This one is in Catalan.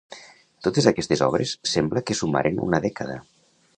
Totes aquestes obres sembla que sumaren una dècada.